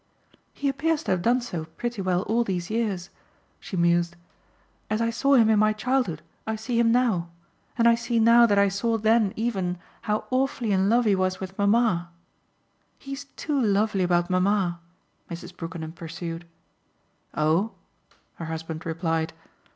"He appears to have done so pretty well all these years," she mused. "As I saw him in my childhood I see him now, and I see now that I saw then even how awfully in love he was with mamma. He's too lovely about mamma," Mrs. Brookenham pursued. "Oh!" her husband replied.